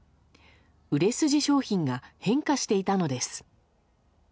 売れ筋商品が変化していたのです。